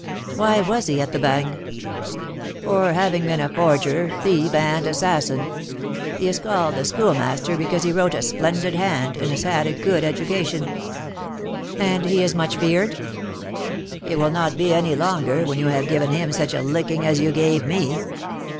"Why was he at the Bagne?" "For having been a forger, thief, and assassin. He is called the Schoolmaster because he wrote a splendid hand, and has had a good education." "And is he much feared?" "He will not be any longer, when you have given him such a licking as you gave me.